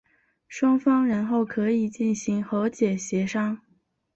双方然后可以进行和解协商。